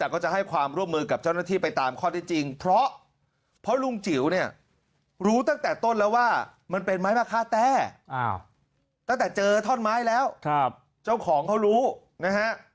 แต่ก็จะให้ความร่วมมือกับเจ้าหน้าที่ไปตามข้อได้จริงเพราะลุงจิ๋วเนี่ยรู้ตั้งแต่ต้นแล้วว่ามันเป็นไม้มะค่าแต้ตั้งแต่เจอท่อนไม้แล้วเจ้าของเขารู้นะฮะ